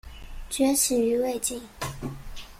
崛起于魏晋。